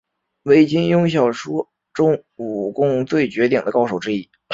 为金庸小说中武功最绝顶的高手之一。